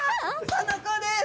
この子です。